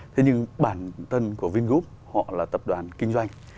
thế nhưng bản thân của vingroup họ là tập đoàn kinh doanh